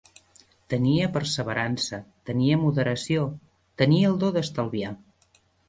Tenia perseverança, tenia moderació, tenia el do d'estalviar